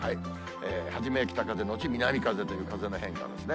初め北風のち南風という風の変化ですね。